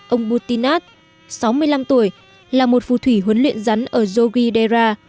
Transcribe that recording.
ông butinath sáu mươi năm tuổi là một phù thủy huấn luyện rắn ở yogidera